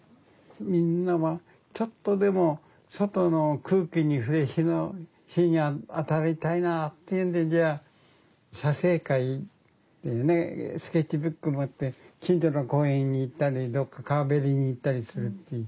みんなはちょっとでも外の空気に触れ日に当たりたいなっていうんでじゃあ写生会スケッチブック持って近所の公園に行ったりどっか川べりに行ったりする。